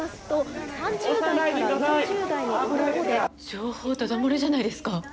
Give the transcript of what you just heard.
情報ダダ漏れじゃないですか。